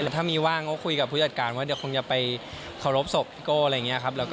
ถ้ามีว่างก็คุยกับผู้จัดการว่าเดี๋ยวคงจะไปเคารพศพพี่โก้อะไรอย่างนี้ครับ